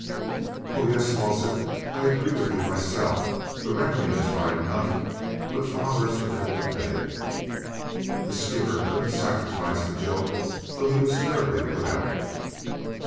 "Oh, yes, Fosset; I agree with you myself. The reckoning is right enough, but father's the devil to pay!" The skipper couldn't sacrifice the joke, though he was terribly put out.